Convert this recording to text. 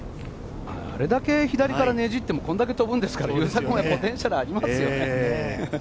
あれだけ左からねじってもこれだけ飛ぶんですから、優作もポテンシャルありますよね。